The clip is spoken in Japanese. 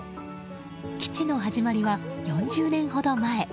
基地の始まりは４０年ほど前。